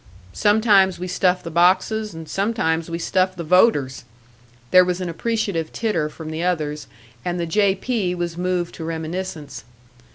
"Sometimes we stuff the boxes, and sometimes we stuff the voters." There was an appreciative titter from the others, and the "J. P." was moved to reminiscence.